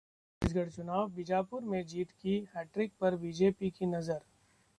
छत्तीसगढ़ चुनाव: बीजापुर में जीत की हैट्रिक पर बीजेपी की नज़र!